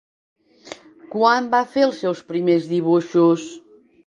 Quan va fer els seus primers dibuixos?